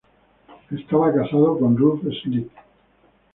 Él estaba casado con Ruth Slick.